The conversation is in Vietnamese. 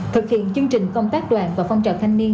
thực hiện chương trình công tác đoàn và phong trào thanh niên